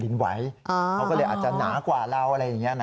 ดินไว้อ่าเขาก็เลยอาจจะหนากว่าเราอะไรอย่างเงี้ยนะครับ